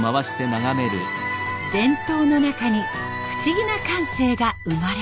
伝統の中に不思議な感性が生まれる。